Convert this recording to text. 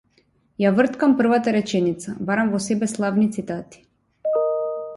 Ја врткам првата реченица, барам во себе славни цитати.